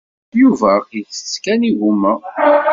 Yuba isett kan igumma.